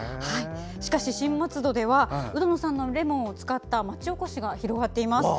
しかし、新松戸では鵜殿さんのレモンを使った町おこしが広がっています。